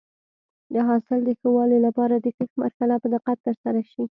د حاصل د ښه والي لپاره د کښت مرحله په دقت سره ترسره شي.